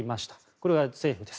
これが政府です。